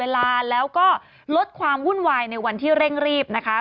เวลาแล้วก็ลดความวุ่นวายในวันที่เร่งรีบนะคะ